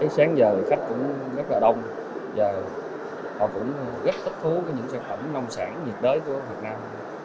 sáng giờ khách cũng rất là đông giờ họ cũng rất thích thú những sản phẩm nông sản nhiệt đới của việt nam